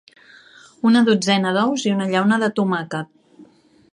Una dotzena d'ous i una llauna de tomàquet.